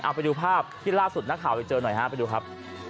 เอาไปดูภาพที่ล่าสุดนักข่าวไปเจอหน่อยฮะไปดูครับ